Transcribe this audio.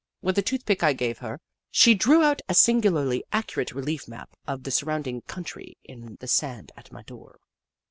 With a toothpick I gave her, she drew out a singularly accurate relief map of the surrounding country in the sand at my door.